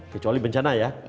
kecuali bencana ya